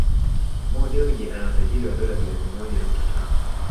Mo Dewji ana utajiri wa dola bilioni moja nukta tano